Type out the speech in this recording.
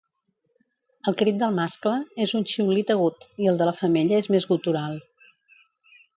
El crit del mascle és un xiulit agut, i el de la femella és més gutural.